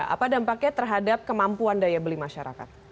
apa dampaknya terhadap kemampuan daya beli masyarakat